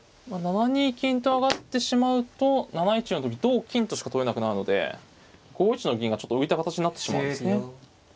７二金と上がってしまうと７一の時同金としか取れなくなるので５一の銀がちょっと浮いた形になってしまうんですね。